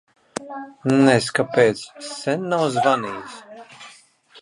Nez kāpēc sen nav zvanījis.